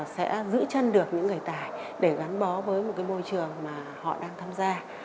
sẽ giữ chân được những người tài để gắn bó với một cái môi trường mà họ đang tham gia